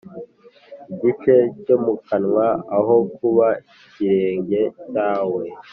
igice cyo mu kanwa aho kuba ikirenge cyawe